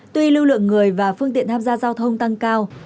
tuy lưu lượng người và phương tiện tham gia giao thông tăng cao